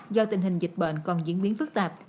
do tình hình dịch bệnh còn diễn biến phức tạp